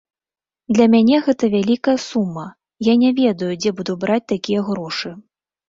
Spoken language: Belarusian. Для мяне гэта вялікая сума, я не ведаю дзе буду браць такія грошы.